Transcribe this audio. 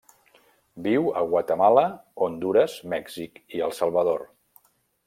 Viu a Guatemala, Hondures, Mèxic i El Salvador.